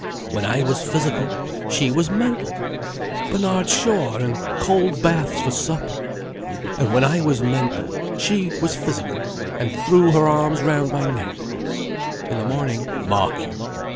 When I was physical, she was mental—Bernard Shaw and cold baths for supper!—and when I was mental she was physical, and threw her arms round my neck. In the morning, mark you.